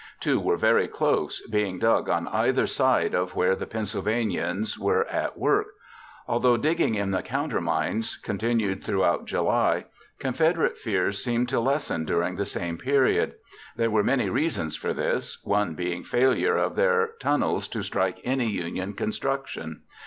Two were very close, being dug on either side of where the Pennsylvanians were at work. Although digging in the countermines continued throughout July, Confederate fears seemed to lessen during the same period. There were many reasons for this, one being the failure of their tunnels to strike any Union construction.